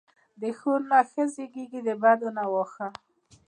دښو نه ښه زیږیږي، د بدونه واښه.